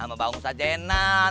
sama bangun sajainan